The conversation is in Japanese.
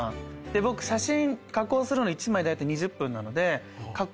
僕写真加工するの１枚だいたい２０分なので加工